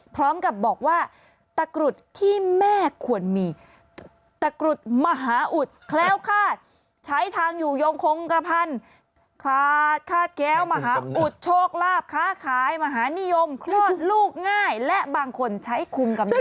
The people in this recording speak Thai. พร้อมกับบอกว่าตะกรุดที่แม่ควรมีตะกรุดมหาอุดแคล้วคาดใช้ทางอยู่ยงคงกระพันคลาดคาดแก้วมหาอุดโชคลาภค้าขายมหานิยมคลอดลูกง่ายและบางคนใช้คุมกำลัง